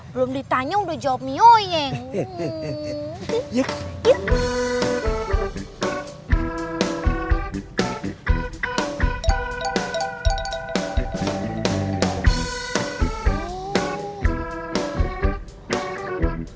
belum ditanya udah jawab mioyeng